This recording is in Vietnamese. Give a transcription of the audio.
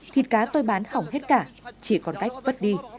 thịt cá tôi bán hỏng hết cả chỉ còn cách vất đi